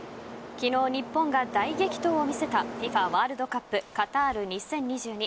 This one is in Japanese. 昨日、日本が大激闘を見せたＦＩＦＡワールドカップカタール２０２２。